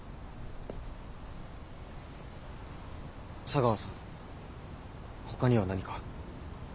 茶川さんほかには何か。